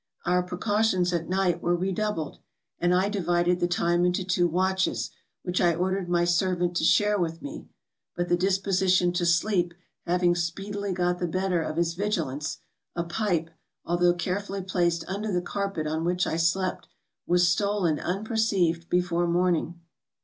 Our precau¬ tions at night were redoubled; and I divided the time into two watches, which I ordered my ser¬ vant to share with me, but the disposition to sleep having speedily got the better of his vigilance, a pipe, although carefully placed under the carpet on which I slept, was stolen unperceived before morning.